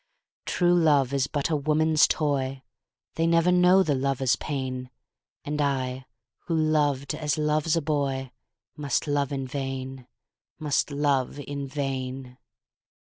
True love is but a woman's toy, They never know the lover's pain, And I who loved as loves a boyMust love in vain, must love in vain.